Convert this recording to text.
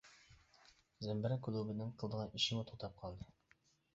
زەمبىرەك كۇلۇبىنىڭ قىلىدىغان ئىشىمۇ توختاپ قالدى.